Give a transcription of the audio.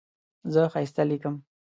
زه ښایسته لیکم.